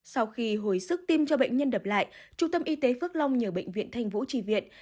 sau khi hồi sức tim cho bệnh nhân đập lại trung tâm y tế phước long nhờ bệnh viện thanh vũ tri viện